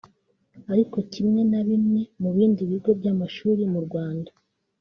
Ariko kimwe na bimwe mu bindi bigo by’amashuri mu Rwanda